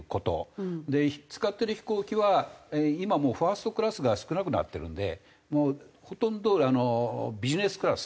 使ってる飛行機は今もうファーストクラスが少なくなってるんでもうほとんどビジネスクラス。